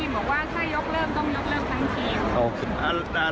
แม่และเพื่อนแม่ตอนนี้๓คนครับ